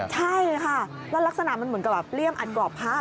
ใช่ค่ะแล้วลักษณะมันเหมือนกับเลี่ยมอัดกรอบพระ